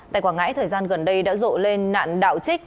tại quảng ngãi thời gian gần đây đã rộ lên nạn đạo trích